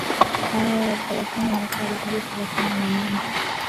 aya ya thelathini na saba hadi thelathini na nane